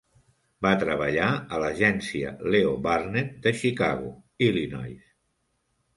Va treballar a l'agència Leo Burnett de Chicago (Illinois).